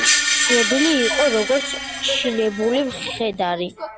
ცნობილი იყო, როგორც ჩინებული მხედარი.